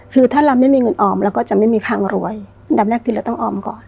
คือถ้าเราไม่มีเงินออมเราก็จะไม่มีทางรวยอันดับแรกผิดเราต้องออมก่อน